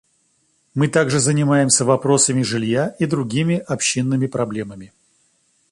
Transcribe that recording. Мы также занимаемся вопросами жилья и другими общинными проблемами.